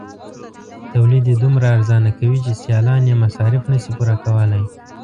تولید یې دومره ارزانه کوي چې سیالان یې مصارف نشي پوره کولای.